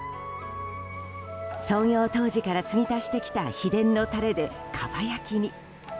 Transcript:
創業当時から継ぎ足してきた秘伝のタレでかば焼きに。